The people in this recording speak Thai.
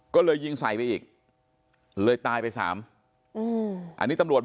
ค่ะ